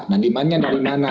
nah demand nya dari mana